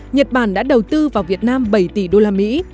nhật bản đã đầu tư vào việt nam bảy tỷ đô la mỹ